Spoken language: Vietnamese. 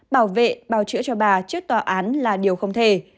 bảo vệ bào chữa cho bà trước tòa án là điều không thể